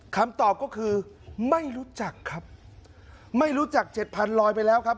คำตอบก็คือไม่รู้จักครับไม่รู้จักเจ็ดพันลอยไปแล้วครับ